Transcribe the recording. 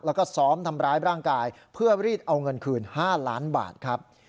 แล้วก็ซ้อมทำร้ายร่างกายเพื่อรีดเอาเงินคืน๕ล้านบาทครับ